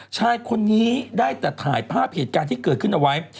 ชายคนนี้ได้แต่ถ่ายภาพเหตุการณ์ที่เกิดขึ้นเอาไว้